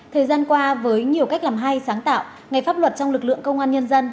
thời gian qua với nhiều cách làm hay sáng tạo ngày pháp luật trong lực lượng công an nhân dân